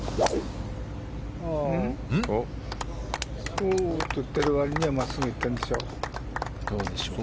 おーと言ってるわりには真っすぐ行ってるんですよ。